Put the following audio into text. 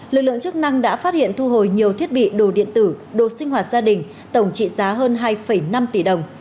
lực lượng chức năng đã phát hiện thu hồi nhiều thiết bị đồ điện tử đồ sinh hoạt gia đình tổng trị giá hơn hai năm tỷ đồng